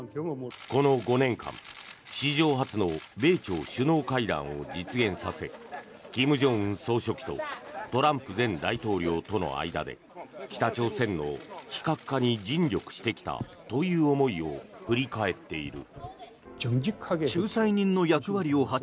この５年間史上初の米朝首脳会談を実現させ金正恩総書記とトランプ前大統領との間で北朝鮮の非核化に尽力してきたという思いを振り返っている。